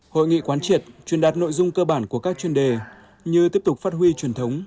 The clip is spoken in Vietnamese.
hội nghị quán triệt truyền đạt nội dung cơ bản của các chuyên đề như tiếp tục phát huy truyền thống